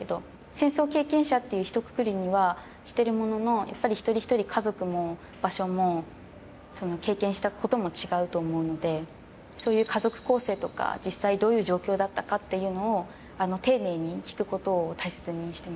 戦争経験者っていうひとくくりにはしてるもののやっぱり一人一人家族も場所も経験したことも違うと思うのでそういう家族構成とか実際どういう状況だったかっていうのを丁寧に聞くことを大切にしてます。